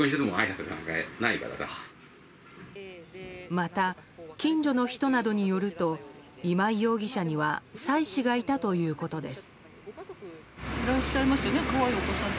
また近所の人などによると今井容疑者には妻子がいたということです。